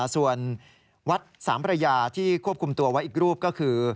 ส่วนวัดสามพระยาที่ควบคุมตัวไว้อีกรูปก็คือ